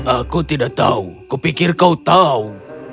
aku tidak tahu kupikir kau tahu